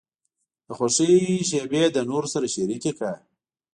د خوښۍ شیبې له نورو سره شریکې کړه.